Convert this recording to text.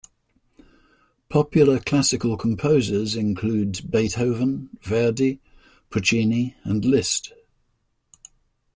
Popular classical composers include Beethoven, Verdi, Puccini and Liszt.